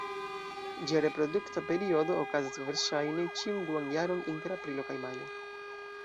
Ĝia reprodukta periodo okazas verŝajne ĉiun duan jaron, inter aprilo kaj majo.